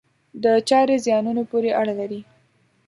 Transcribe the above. دا چارې زیانونو پورې اړه لري.